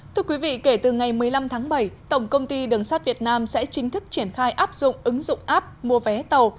thưa quý vị kể từ ngày một mươi năm tháng bảy tổng công ty đường sắt việt nam sẽ chính thức triển khai áp dụng ứng dụng app mua vé tàu